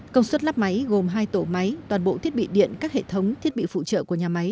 công suất lắp máy gồm hai tổ máy toàn bộ thiết bị điện các hệ thống thiết bị phụ trợ của nhà máy